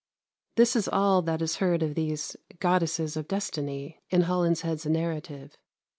" This is all that is heard of these "goddesses of Destinie" in Holinshed's narrative.